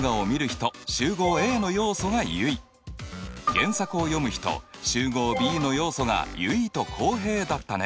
原作を読む人集合Ｂの要素が結衣と浩平だったね。